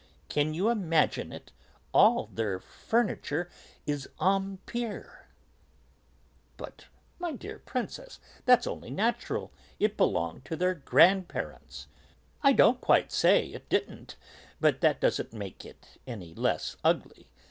Can you imagine it, all their furniture is 'Empire'!" "But, my dear Princess, that's only natural; it belonged to their grandparents." "I don't quite say it didn't, but that doesn't make it any less ugly.